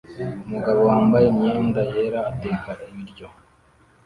Umugabo wambaye imyenda yera ateka ibiryo